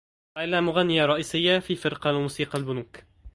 ليلى مغنّية رئيسيّة في فرقة لموسيقى البونك.